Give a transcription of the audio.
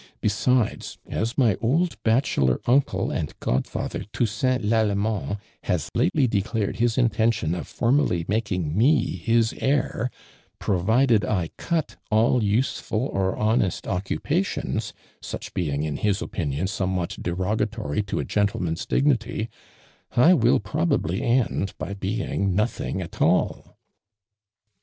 Besides, as my old bachelor uncle and go<lfather, Toussaint Lallciniind, has lately declared his intention of formally making me his heir, provided 1 cut all useful or honest occupations, such ln'ing in his opinion somewhat derogatory to a gentleman's dignity, I will probably end l>y being nothing at all."